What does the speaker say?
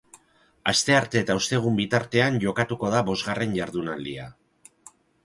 Astearte eta ostegun bitartean jokatuko da bosgarren jardunaldia.